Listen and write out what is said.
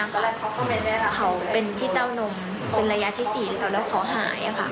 เขาเป็นที่เต้านมเป็นระยะที่๔แล้วเขาขอหายค่ะ